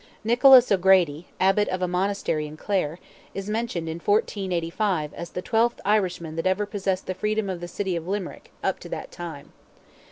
Nicholas O'Grady, Abbot of a Monastery in Clare, is mentioned in 1485 as "the twelfth Irishman that ever possessed the freedom of the city of Limerick" up to that time.